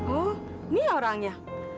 oh ini orangnya